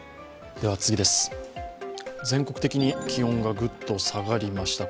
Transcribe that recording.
全国的に気温がグッと下がりました。